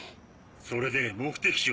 それで目的地は？